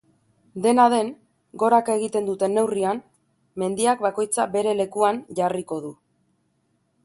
Dena den goraka egiten duten neurrian, mendiak bakoitza bere lekuan jarriko du.